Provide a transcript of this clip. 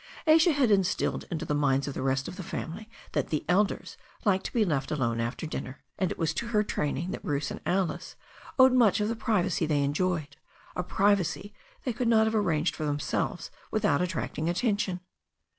Asia had instilled into the minds of the rest of the family that the "elders" liked to be alone after dinner, and it was to her training that Bruce and Alice owed much of the privacy they enjoyed, a privacy they could not have arranged for themselves without attracting attention.